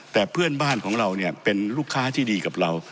แต่เพื่อนบ้านของเราเนี่ยเป็นลูกค้าที่ดีกับเรา